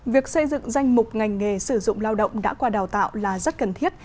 việc xây dựng danh mục ngành nghề sử dụng lao động đã qua đào tạo là rất cần thiết